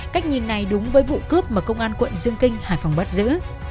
cách nhìn này đúng với vụ cướp mà công an quận dương kinh hải phòng bắt giữ